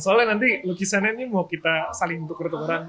soalnya nanti lukisannya ini mau kita saling untuk berturutan